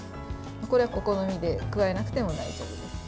これは、お好みで加えなくても大丈夫です。